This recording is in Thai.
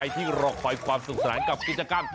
ที่รอคอยความสุขสนานกับกิจกรรม